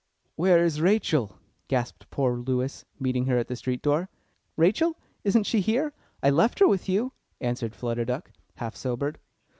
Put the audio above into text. "Where is Rachel?" gasped poor Lewis, meeting her at the street door. "Rachel! isn't she here? I left her with you," answered Flutter Duck, half sobered.